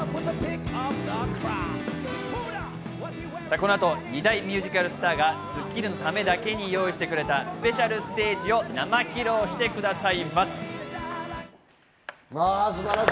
この後、２大ミュージカルスターが『スッキリ』のためだけに用意してくれたスペシャルステージを生披露してくださいます。